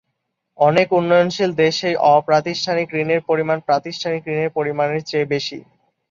অনেক উন্নয়নশীল দেশেই অপ্রাতিষ্ঠানিক ঋণের পরিমাণ প্রাতিষ্ঠানিক ঋণের পরিমাণের চেয়ে বেশি।